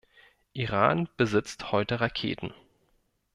Iran besitzt heute Raketen.